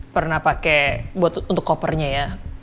pernah pake untuk kopernya ya